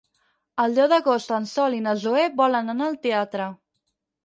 El deu d'agost en Sol i na Zoè volen anar al teatre.